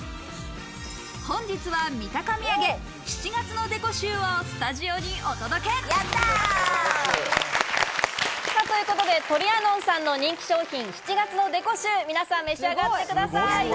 本日は三鷹土産、７月のデコシューをスタジオにお届け。ということでトリアノンさんの人気商品、７月のデコシュー、皆さん召し上がってみてください。